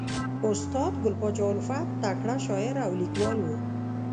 استاد ګل پاچا الفت تکړه شاعر او لیکوال ؤ.